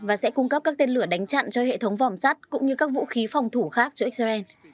và sẽ cung cấp các tên lửa đánh chặn cho hệ thống vòm sắt cũng như các vũ khí phòng thủ khác cho israel